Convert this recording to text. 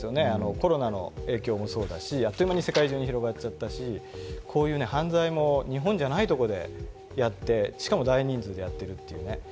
コロナの影響もそうだし、あっという間に世界中に広がっちゃったし、こういう犯罪も日本じゃないところでやって、しかも大人数でやっているというね。